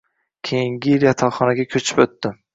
Keyingi yili yotoqxonaga ko’chib o’tdim.